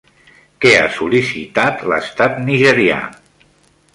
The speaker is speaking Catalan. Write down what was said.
Què ha sol·licitat l'estat nigerià?